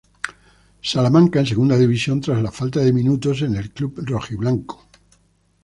Salamanca en Segunda División, tras la falta de minutos en el club rojiblanco.